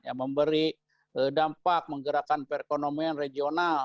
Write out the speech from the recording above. yang memberi dampak menggerakkan perekonomian regional